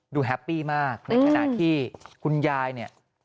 แฮปปี้มากในขณะที่คุณยายเนี่ย